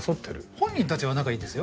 本人たちは仲いいんですよ。